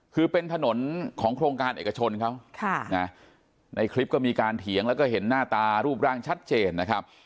คือเป็นถนนของโครงการเอกชนเขาในคลิปก็มีการเถียงแล้วก็เห็นหน้าตารูปร่างชัดเจนนะครับ